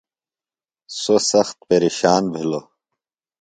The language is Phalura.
سوۡ سخت پیرشان بِھلوۡ۔